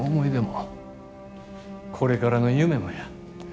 これからの夢もや。